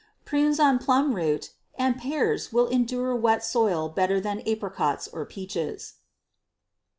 Prunes on plum root, and pears will endure wet soil better than apricots or peaches.